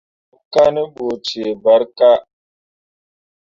Mo kaa ne ɓu cee ɓǝrrikah.